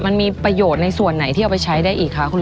มันมีประโยชน์ในส่วนไหนที่เอาไปใช้ได้อีกคะคุณลุง